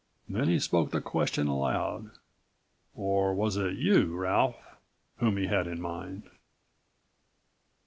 Then he spoke the question aloud. "Or was it you, Ralph, whom he had in mind?"